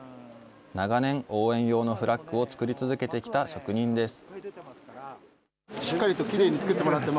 長年、応援用のフラッグを作り続けてきた職人です。